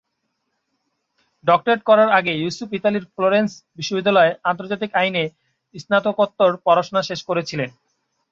Doctorate করার আগে ইউসুফ ইতালির ফ্লোরেন্স বিশ্ববিদ্যালয়ে আন্তর্জাতিক আইনে স্নাতকোত্তর পড়াশোনা শেষ করেছিলেন।